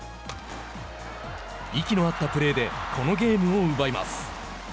息の合ったプレーでこのゲームを奪います。